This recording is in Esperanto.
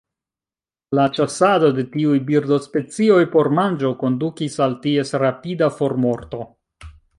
La ĉasado de tiuj birdospecioj por manĝo kondukis al ties rapida formorto.